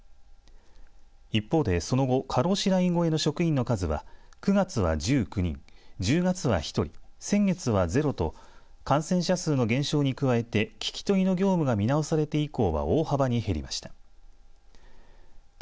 一方で、その後過労死ライン超えの職員の数は９月は１９人１０月は１人先月は０と感染者数の減少に加えて聞き取りの業務が見直されて以降は大幅に減りました。